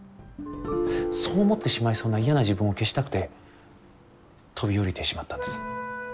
そう思ってしまいそうな嫌な自分を消したくて飛び降りてしまったんです。